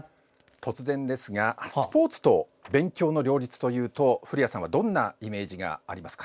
突然ですがスポーツと勉強の両立というと古谷さんはどんなイメージがありますか？